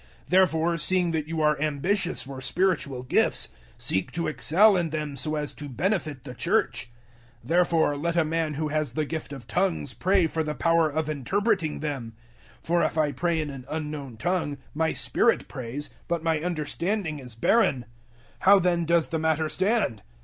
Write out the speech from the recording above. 014:012 Therefore, seeing that you are ambitious for spiritual gifts, seek to excel in them so as to benefit the Church. 014:013 Therefore let a man who has the gift of tongues pray for the power of interpreting them. 014:014 For if I pray in an unknown tongue, my spirit prays, but my understanding is barren. 014:015 How then does the matter stand?